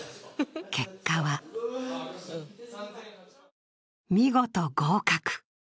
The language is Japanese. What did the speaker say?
結果は見事、合格。